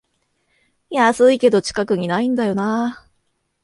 安いけど近くにないんだよなあ